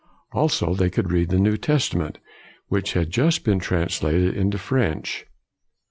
Also they could read the New Testament, which had just been translated into French.